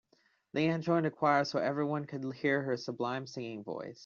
Leanne joined a choir so everyone could hear her sublime singing voice.